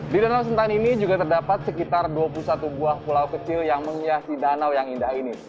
di danau sentani ini juga terdapat sekitar dua puluh satu buah pulau kecil yang menghiasi danau yang indah ini